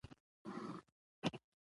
مسافر ته سوه پیدا په زړه کي تمه